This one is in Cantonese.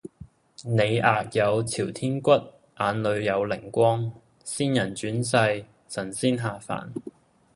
你額有朝天骨，眼裡有靈光，仙人轉世，神仙下凡